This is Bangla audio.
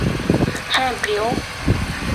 হ্যাঁ, প্রিয়?